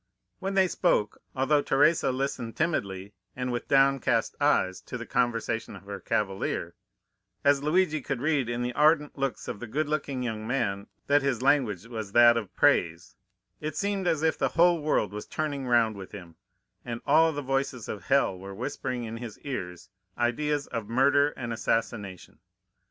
When they spoke, although Teresa listened timidly and with downcast eyes to the conversation of her cavalier, as Luigi could read in the ardent looks of the good looking young man that his language was that of praise, it seemed as if the whole world was turning round with him, and all the voices of hell were whispering in his ears ideas of murder and assassination.